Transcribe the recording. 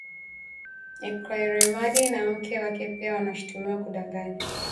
Ekweremadi na mke wake pia wanashutumiwa kudanganya